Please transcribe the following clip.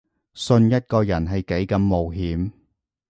信一個人係幾咁冒險